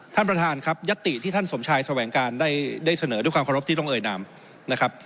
ท่านประธานครับยัตติที่ท่านสมชายแสวงการได้เสนอด้วยความเคารพที่ต้องเอ่ยนามนะครับ